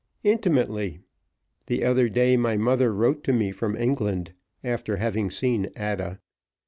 "Intimately. The other day my mother wrote to me from England, after having seen Ada.